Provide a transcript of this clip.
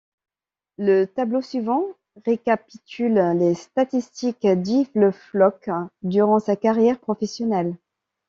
Le tableau suivant récapitule les statistiques d'Yves Le Floch durant sa carrière professionnelle.